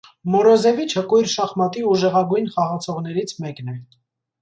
Մորոզևիչը կույր շախմատի ուժեղագույն խաղացողներից մեկն է։